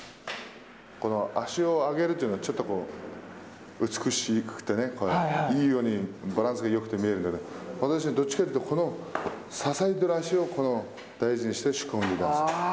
足を上げるというのは美しくていいようにバランスがよく見えるんだけど私はどちらかというとこの支えている足を大事にしてしこ踏んでいたんです。